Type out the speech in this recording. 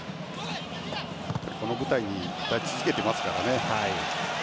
この舞台に立ち続けてますからね。